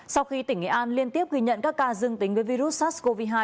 sau khi tỉnh nghệ an liên tiếp ghi nhận các ca dương tính với virus sars cov hai